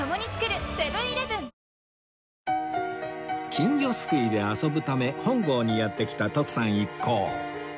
金魚すくいで遊ぶため本郷にやって来た徳さん一行